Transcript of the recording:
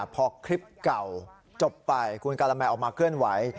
พอคลิปเก่าจบไปคุณกาลแมออกมาเคลื่อนไหว